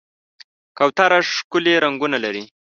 کوتره ښکلي رنګونه لري.